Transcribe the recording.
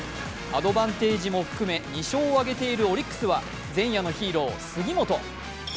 アドバンテージも含め２勝を挙げているオリックスは前夜のヒーロー・杉本。